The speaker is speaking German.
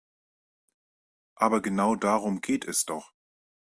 Aber genau darum geht es doch.